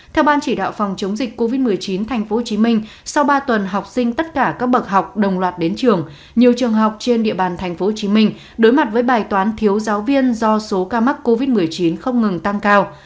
theo ban chỉ đạo phòng chống dịch covid một mươi chín tp hcm sau ba tuần học sinh tất cả các bậc học đồng loạt đến trường nhiều trường học trên địa bàn tp hcm đối mặt với bài toán thiếu giáo viên do số ca mắc covid một mươi chín không ngừng tăng cao